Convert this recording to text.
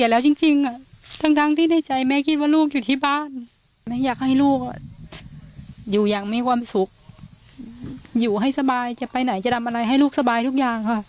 อยากให้ลูกอยู่อย่างมีความสุขอยู่ให้สบายจะไปไหนจะทำอะไรให้ลูกสบายทุกอย่าง